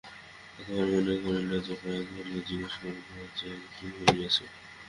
কত বার মনে করিল যে, পায়ে ধরিয়া জিজ্ঞাসা করিবে যে, কী হইয়াছে।